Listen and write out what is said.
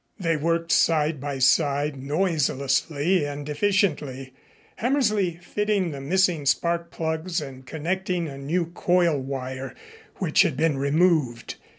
They worked side by side, noiselessly and efficiently, Hammersley fitting the missing spark plugs and connecting a new coil wire which had been removed.